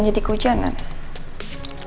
jadi ke hujan kan